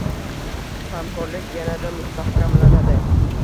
Hamkorlik yanada mustahkamlanadi